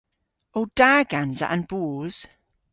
O da gansa an boos?